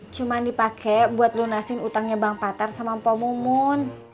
cuma dipakai buat lunasin utangnya bang patar sama mpo mumun